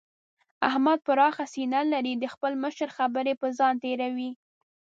احمد پراخه سينه لري؛ د خپل مشر خبرې پر ځان تېروي.